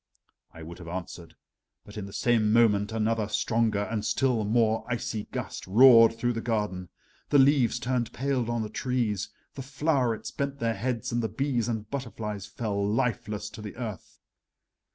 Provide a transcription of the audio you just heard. I would have answered, but in the same moment another stronger and still more icy gust roared through the garden. The leaves turned pale on the trees, the flowerets bent their heads, and the bees and butterflies fell lifeless to the earth.